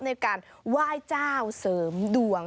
ในการไหว้เจ้าเสริมดวง